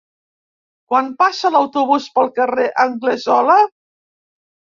Quan passa l'autobús pel carrer Anglesola?